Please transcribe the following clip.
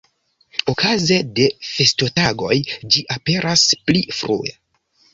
Okaze de festotagoj ĝi aperas pli frue.